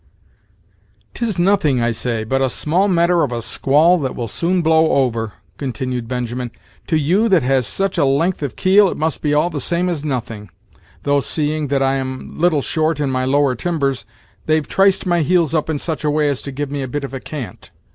"'Tis nothing, I say, but a small matter of a squall that will soon blow over," continued Benjamin. "To you that has such a length of keel, it must be all the same as nothing; thof, seeing that I am little short in my lower timbers, they've triced my heels up in such a way as to give me a bit of a cant.